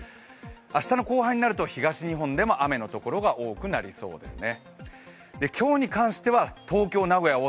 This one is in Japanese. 明日の後半になると東日本でも雨のところが多くなりそうですね。